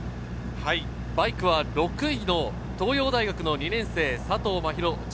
バイクは６位の東洋大学の２年生、佐藤真優。